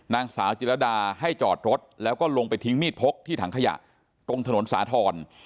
นางสาวจิรดาให้จอดรถแล้วก็ลงไปทิ้งมีดพกที่ถังขยะตรงถนนสาธรณ์